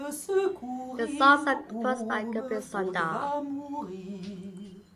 The songs are composed by Gopi Sundar.